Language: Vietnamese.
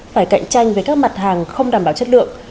phải cạnh tranh với các mặt hàng không đảm bảo chất lượng